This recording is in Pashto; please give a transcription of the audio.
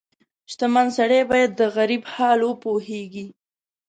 • شتمن سړی باید د غریب حال وپوهيږي.